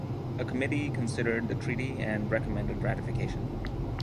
A committee considered the treaty and recommended ratification.